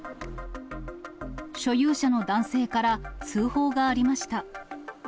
所有者の男性から通報がありました。